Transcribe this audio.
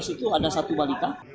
tiga belas itu ada satu balita